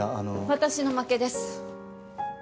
私の負けです。